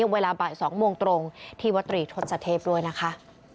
เวลาบ่าย๒โมงตรงที่วตรีทศเทพด้วยนะคะ